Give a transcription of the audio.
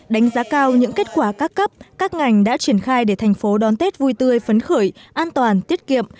đánh giá cao những kết quả các cấp các ngành đã triển khai để thành phố đón tết vui tươi phấn khởi an toàn tiết kiệm